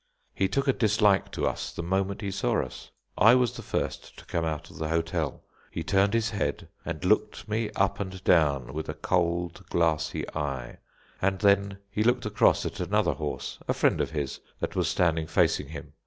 He took a dislike to us the moment he saw us. I was the first to come out of the hotel. He turned his head, and looked me up and down with a cold, glassy eye; and then he looked across at another horse, a friend of his that was standing facing him.